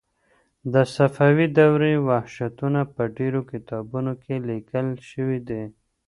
د صفوي دورې وحشتونه په ډېرو کتابونو کې لیکل شوي دي.